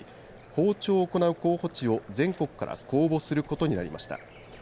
放鳥を行う候補地を全国から公募することになりました。